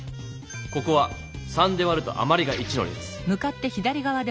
ここは３で割るとあまりが１の列。